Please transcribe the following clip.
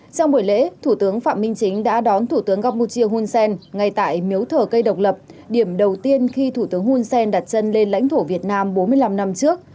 trong buổi lễ thủ tướng phạm minh chính đã đón thủ tướng campuchia hun sen ngay tại miếu thờ cây độc lập điểm đầu tiên khi thủ tướng hun sen đặt chân lên lãnh thổ việt nam bốn mươi năm năm trước